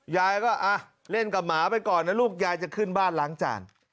ยายก็เล่นกับหมาไปก่อนนะลูกยายจะขึ้นบ้านล้างจาน